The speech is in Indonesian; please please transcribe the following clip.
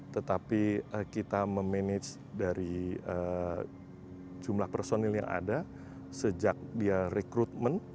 tetapi kita memanage dari jumlah personil yang ada sejak dia rekrutmen